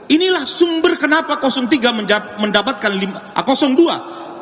inilah sumber kenapa tiga mendapatkan dua